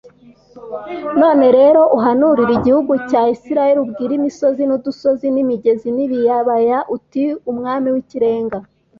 none rero uhanurire igihugu cya isirayeli ubwire imisozi n udusozi n imigezi n ibibaya uti umwami w ikirenga